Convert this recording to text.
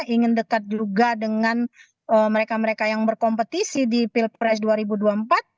ingin dekat juga dengan mereka mereka yang berkompetisi di bum